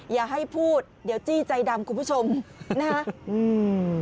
อย่าให้พูดเดี๋ยวจี้ใจดำคุณผู้ชมนะฮะอืม